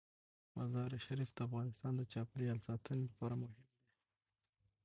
مزارشریف د افغانستان د چاپیریال ساتنې لپاره مهم دي.